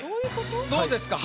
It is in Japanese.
どうですか？